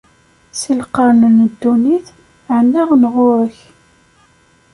Si lqern n ddunit, ɛennaɣ-n ɣur-k.